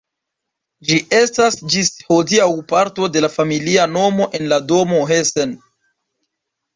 Ĝi estas ĝis hodiaŭ parto de la familia nomo en la domo Hessen.